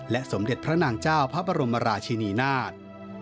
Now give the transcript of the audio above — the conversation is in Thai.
สมเด็จพระนางเจ้าพระบรมราชินีนาฏ